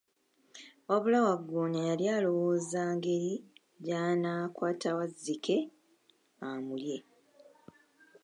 Wabula Waggoonya yali alowooza ngeri gy'anaakwata Wazzike amulye.